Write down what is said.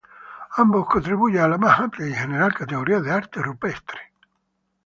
Ambos contribuyen a la más amplia y general categoría de arte rupestre.